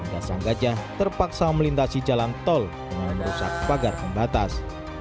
dan gajah terpaksa melintasi jalan tol dengan merusak pagar pembatas